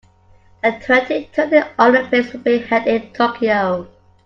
The twenty-twenty Olympics will be held in Tokyo.